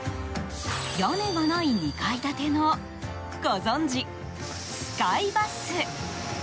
屋根がない２階建てのご存じ、スカイバス。